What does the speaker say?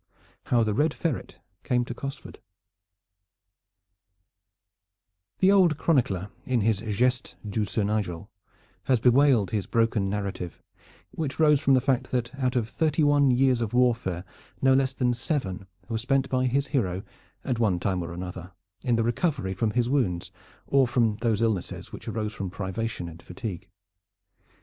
HOW THE RED FERRET CAME TO COSFORD The old chronicler in his "Gestes du Sieur Nigel" has bewailed his broken narrative, which rose from the fact that out of thirty one years of warfare no less than seven were spent by his hero at one time or another in the recovery from his wounds or from those illnesses which arose from privation and fatigue.